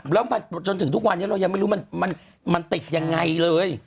แล้วจนถึงทุกวันนี้เรายังไม่รู้มันติดยังไงเลย